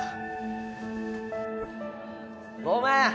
ごめん！